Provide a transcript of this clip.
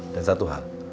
dan satu hal